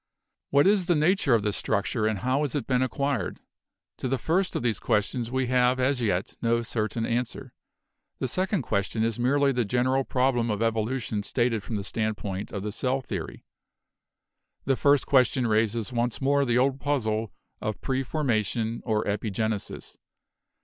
"What is the nature of this structure and how has it been acquired? To the first of these questions we have as yet no certain answer. The second question is merely the general problem of evolution stated from the stand point of the cell theory. The first question raises once more the old puzzle of preformation or epigenesis.